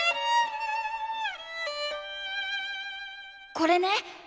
これね。